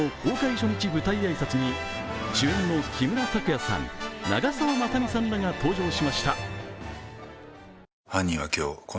初日挨拶に主演の木村拓也さん、長澤まさみさんらが登場しました。